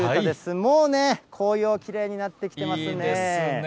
もうね、紅葉きれいになってきてますね。